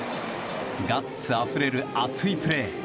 ガッツあふれる熱いプレー。